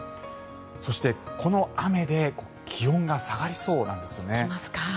そして、この雨で気温が下がりそうなんですよね。